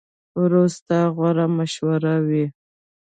ورور ستا غوره مشوره وي.